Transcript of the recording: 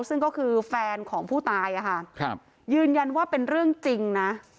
ซึ่งก็คือแฟนของผู้ตายยืนยันว่าเป็นเรื่องจริงนะ